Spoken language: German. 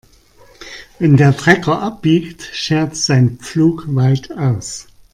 Wenn der Trecker abbiegt, schert sein Pflug weit aus.